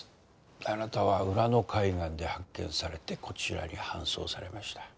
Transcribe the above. あなたは浦野海岸で発見されてこちらに搬送されました。